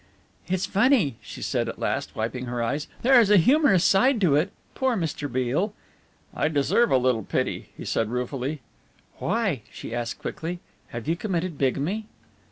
"It's funny," she said at last, wiping her eyes, "there is a humorous side to it. Poor Mr. Beale!" "I deserve a little pity," he said ruefully. "Why?" she asked quickly. "Have you committed bigamy?"